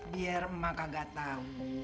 biar mbak nggak tahu